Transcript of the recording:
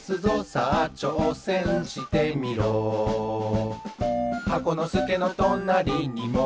「さあちょうせんしてみろ」「箱のすけのとなりにもうひとり？」